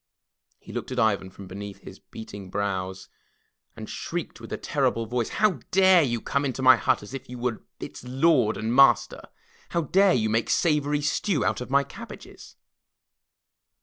He looked at Ivan from beneath his beetling brows and shrieked with a terrible voice: How dare you come into my hut as if you were its lord and master? How dare you make savory stew of my cabbages?''